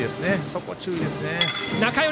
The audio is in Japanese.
そこに注意です。